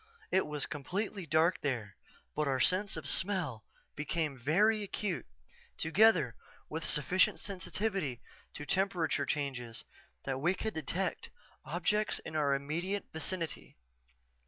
It was completely dark there but our sense of smell became very acute, together with sufficient sensitivity to temperature changes that we could detect objects in our immediate vicinity.